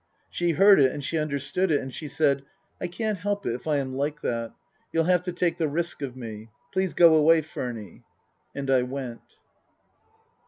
She heard it and she understood it, and she said, " I can't help it if I am like that. You'll have to take the risk of me. Please go away, Furny." And I went.